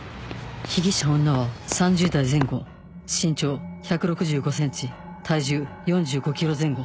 被疑者女は３０代前後身長 １６５ｃｍ 体重 ４５ｋｇ 前後